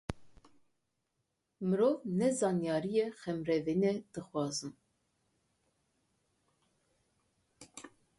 Mirov ne zanyariyê, xemrevîniyê dixwazin.